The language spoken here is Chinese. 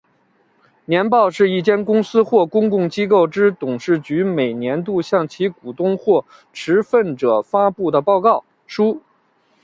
年报是一间公司或公共机构之董事局每年度向其股东或持份者发布的报告书。